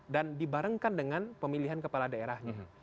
dan dibarengkan dengan pemilihan kepala daerahnya